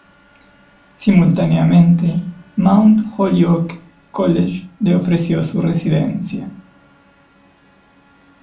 Simultáneamente, Mount Holyoke College le ofreció su presidencia.